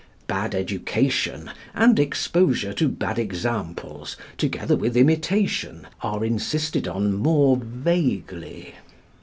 Bad education and exposure to bad examples, together with imitation, are insisted on more vaguely.